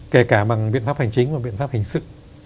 kể cả bằng biện pháp hình chính và biện pháp hình sự